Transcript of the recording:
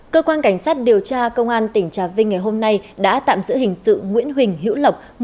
cơ quan cảnh sát điều tra công an tỉnh trà vinh ngày hôm nay đã tạm giữ hình sự nguyễn huỳnh hữu lộc